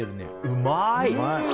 うまい！